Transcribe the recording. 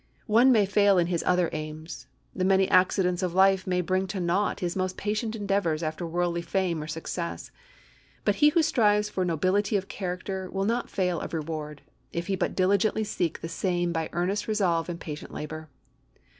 One may fail in his other aims; the many accidents of life may bring to naught his most patient endeavors after worldly fame or success; but he who strives for nobility of character will not fail of reward, if he but diligently seek the same by earnest resolve and patient labor.